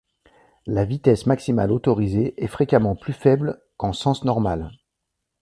La vitesse maximale autorisée est fréquemment plus faible qu'en sens normal.